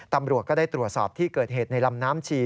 ตำรวจก็ได้ตรวจสอบที่เกิดเหตุในลำน้ำชี